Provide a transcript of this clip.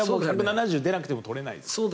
１７０ｋｍ出なくてもとれないです。